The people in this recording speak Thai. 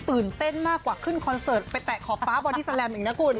ตื่นเต้นมากกว่าขึ้นคอนเสิร์ตไปแตะขอบฟ้าบอดี้แลมอีกนะคุณ